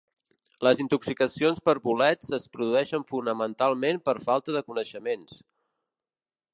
Les intoxicacions per bolets es produeixen fonamentalment per falta de coneixements.